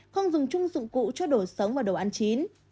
không dùng chung dụng cụ cho đồ sống và đồ ăn chín